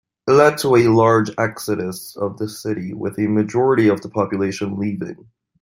It led to a large exodus of the city, with a majority of the population leaving.